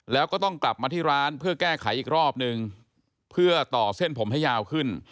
แล้วก็ต้องกลับมาที่ร้านเพื่อแก้ไขอีกรอบนึงเพื่อต่อเส้นผมให้ยาวขึ้น